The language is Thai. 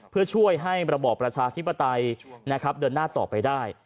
เพื่อช่วยให้ระบอบประชาธิปไตยเดินหน้าต่อไปได้